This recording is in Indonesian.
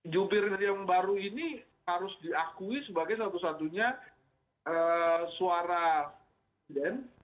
jubir yang baru ini harus diakui sebagai satu satunya suara presiden